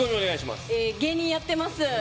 芸人やってます。